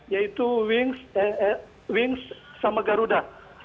yaitu wings sama garuda